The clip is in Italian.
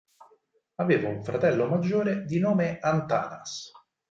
Aveva un fratello maggiore di nome Antanas.